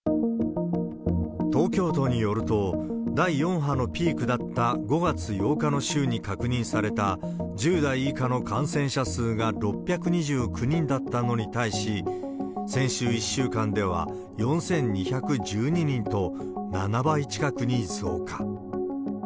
東京都によると、第４波のピークだった５月８日の週に確認された１０代以下の感染者数が６２９人だったのに対し、先週１週間では４２１２人と、７倍近くに増加。